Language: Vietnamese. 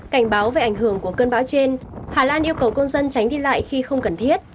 cảnh báo về ảnh hưởng của cơn bão trên hà lan yêu cầu công dân tránh đi lại khi không cần thiết